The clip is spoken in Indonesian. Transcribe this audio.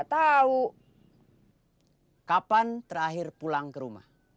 kamu kan pelan terganggu